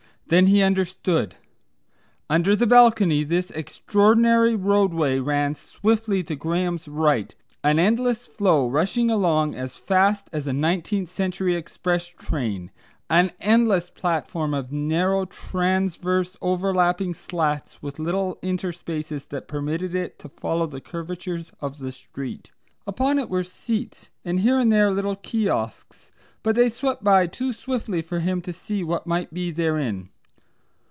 Then he understood. Under the balcony this extraordinary roadway ran swiftly to Graham's right, an endless flow rushing along as fast as a nineteenth century express train, an endless platform of narrow transverse overlapping slats with little interspaces that permitted it to follow the curvatures of the street. Upon it were seats, and here and there little kiosks, but they swept by too swiftly for him to see what might be therein.